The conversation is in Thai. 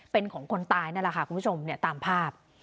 เป็นของคนตายนั่นแหละค่ะคุณผู้ชมเนี่ยตามภาพ